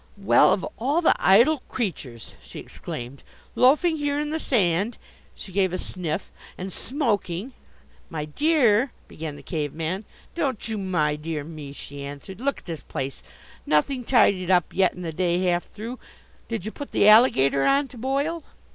"Well, of all the idle creatures!" she exclaimed. "Loafing here in the sand" she gave a sniff "and smoking " "My dear," began the Cave man. "Don't you my dear me!" she answered. "Look at this place! Nothing tidied up yet and the day half through! Did you put the alligator on to boil?"